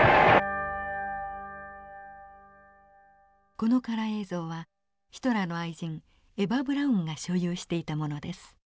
このカラー映像はヒトラーの愛人エヴァ・ブラウンが所有していたものです。